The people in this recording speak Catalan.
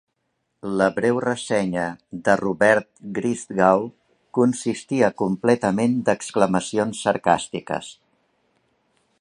La breu ressenya de Robert Christgau consistia completament d'exclamacions sarcàstiques.